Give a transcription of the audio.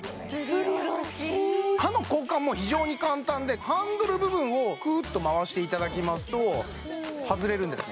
すりおろし刃の交換も非常に簡単でハンドル部分をクッと回していただきますと外れるんですね